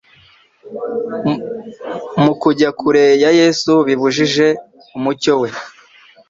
Mu kujya kure ya Yesu bibujije umucyo we.